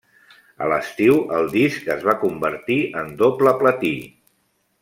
A l'estiu el disc es va convertir en doble platí.